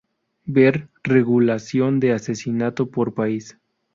Ver regulación de asesinato por País.